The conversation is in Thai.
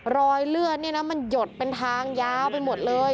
รอยเลือดเนี่ยนะมันหยดเป็นทางยาวไปหมดเลย